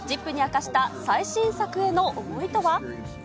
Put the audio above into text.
ＺＩＰ！に明かした最新作への思いとは？